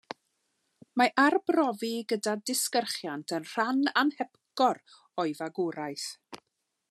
Mae arbrofi gyda disgyrchiant yn rhan anhepgor o'i fagwraeth.